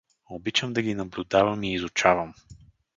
Обичам да ги наблюдавам и изучавам.